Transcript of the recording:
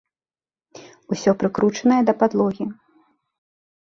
Усё прыкручанае да падлогі.